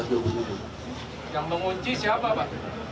yang mengunci siapa pak